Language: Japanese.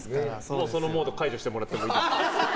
もう、そのモード解除してもらっていいですか。